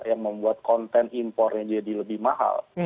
yang membuat konten impornya jadi lebih mahal